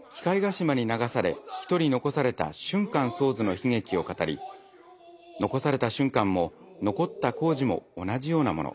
島に流され一人残された俊寛僧都の悲劇を語り残された俊寛も残った柑子も同じようなもの。